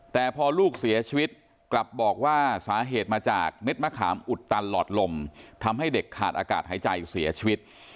แต่พอลูกเสียชีวิตกลับบอกว่าสาเหตุมาจากเม็ดมะขามอุดตันหลอดลมทำให้เด็กขาดอากาศหายใจเสียชีวิต